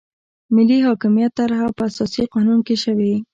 د ملي حاکمیت طرحه په اساسي قانون کې شوې.